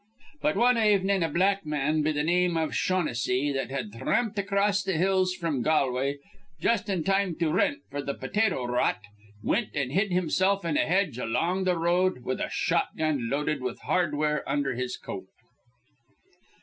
But one avnin' a black man be th' name iv Shaughnessy, that had thramped acrost th' hills fr'm Galway just in time to rent f'r th' potato rot, wint and hid himself in a hedge along th' road with a shotgun loaded with hardware under his coat.